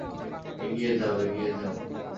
এগিয়ে যাও, এগিয়ে যাও।